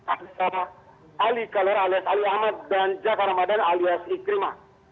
alisa ali kalora alias ali ahmad dan jafar ramadan alias ikrimah